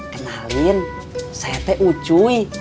kenalin saya teh ucuy